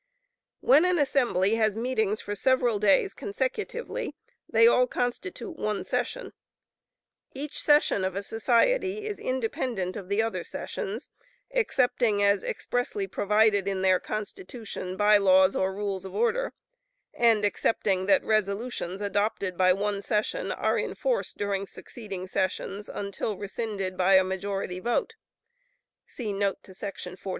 ] When an assembly has meetings for several days consecutively, they all constitute one session. Each session of a society is independent of the other sessions, excepting as expressly provided in their Constitution, By Laws, or Rules of Order, and excepting that resolutions adopted by one session are in force during succeeding sessions until rescinded by a majority vote [see note to § 49].